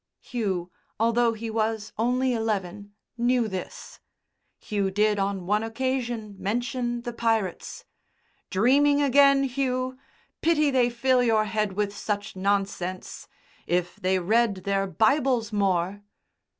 Hugh, although he was only eleven, knew this. Hugh did on one occasion mention the pirates. "Dreaming again, Hugh! Pity they fill your head with such nonsense! If they read their Bibles more!"